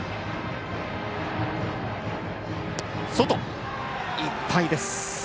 外いっぱいです。